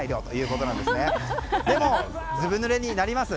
でも、ずぶぬれになります。